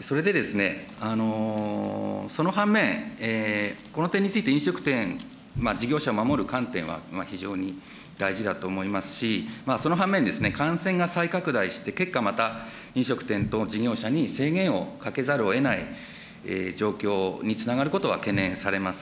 それで、その反面、この点について、飲食店、事業者を守る観点は非常に大事だと思いますし、その反面、感染が再拡大して、結果、また飲食店等事業者に制限をかけざるをえない状況につながることは懸念されます。